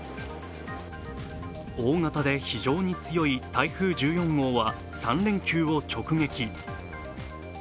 大型で非常に強い台風１４号は３連休を直撃。